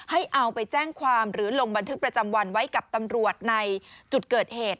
เอาไปแจ้งความหรือลงบันทึกประจำวันไว้กับตำรวจในจุดเกิดเหตุ